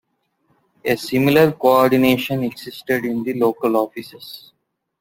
A similar coordination existed in the local offices.